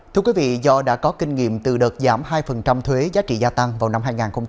thưa quý vị do đã có kinh nghiệm từ đợt giảm hai thuế giá trị gia tăng vào năm hai nghìn hai mươi